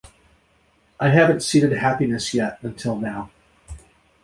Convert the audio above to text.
I haven’t seeded happiness yet until now.